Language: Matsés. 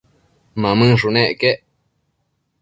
Mamënshunec quec